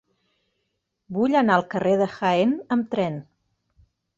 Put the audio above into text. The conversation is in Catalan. Vull anar al carrer de Jaén amb tren.